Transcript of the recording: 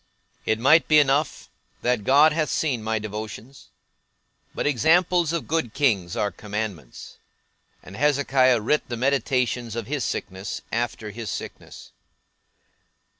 It might be enough, that God hath seen my devotions: but examples of good kings are commandments; and Hezekiah writ the meditations of his sickness, after his sickness.